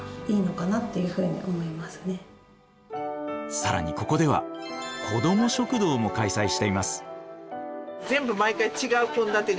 更にここでは子ども食堂も開催しています。